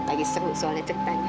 lagi seru soalnya ceritanya